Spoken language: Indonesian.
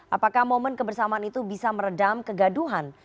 apakah momen kebersamaan itu bisa meredam kegaduhan